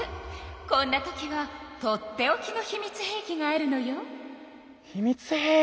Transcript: こんなときはとっておきの秘密兵器があるのよ。